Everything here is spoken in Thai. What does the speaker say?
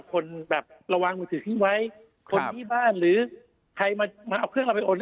คนแบบระวังมือถือทิ้งไว้คนที่บ้านหรือใครมาเอาเครื่องเอาไปโอน